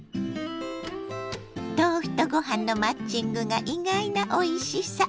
豆腐とご飯のマッチングが意外なおいしさ。